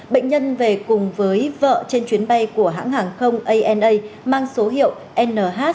bệnh nhân về cùng với vợ trên chuyến bay của hãng hàng không ana mang số hiệu nh tám trăm ba mươi một